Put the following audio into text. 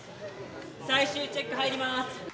最終チェック入ります。